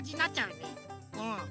うん。